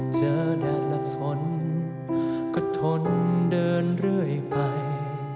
เจอแดดและฝนก็ทนเดินเรื่อยไป